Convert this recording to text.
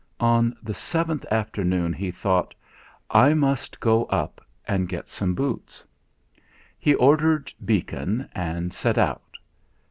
On the seventh afternoon he thought: 'I must go up and get some boots.' He ordered Beacon, and set out.